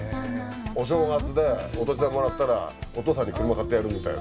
お正月でお年玉もらったらお父さんに車買ってやるみたいな。